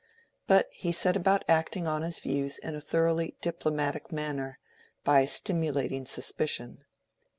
But he set about acting on his views in a thoroughly diplomatic manner, by stimulating suspicion.